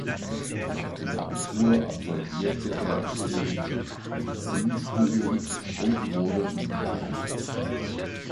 Nach dem Abitur absolvierte er in Zürich Medizinstudium und wurde Militärarzt.